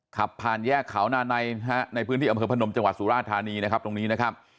ขับผ่านแยกขาวหน้าในฮะในพื้นที่อำเภอพนมจังหวัดสุราชธานีนะครับ